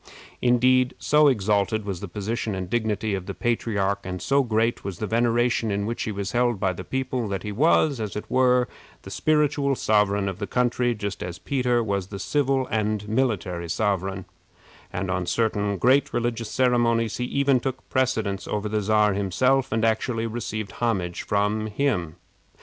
Indeed, so exalted was the position and dignity of the patriarch, and so great was the veneration in which he was held by the people, that he was, as it were, the spiritual sovereign of the country, just as Peter was the civil and military sovereign; and on certain great religious ceremonies he even took precedence of the Czar himself, and actually received homage from him.